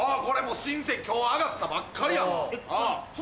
今日揚がったばっかりやもん。